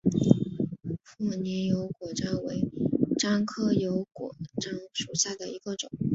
富宁油果樟为樟科油果樟属下的一个种。